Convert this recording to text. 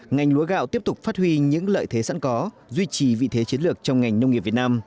ngành lúa gạo tiếp tục phát huy những lợi thế sẵn có duy trì vị thế chiến lược trong ngành nông nghiệp việt nam